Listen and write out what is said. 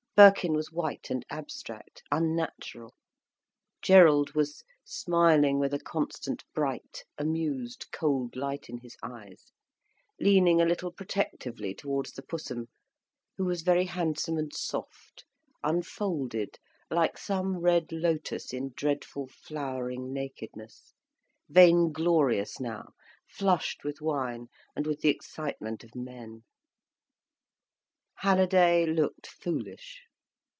Birkin was white and abstract, unnatural, Gerald was smiling with a constant bright, amused, cold light in his eyes, leaning a little protectively towards the Pussum, who was very handsome, and soft, unfolded like some red lotus in dreadful flowering nakedness, vainglorious now, flushed with wine and with the excitement of men. Halliday looked foolish.